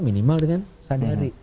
minimal dengan satu hari